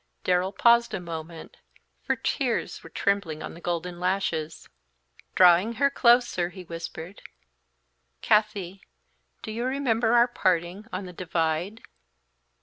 Darrell paused a moment, for tears were trembling on the golden lashes. Drawing her closer, he whispered, "Kathie, do you remember our parting on the 'Divide'?"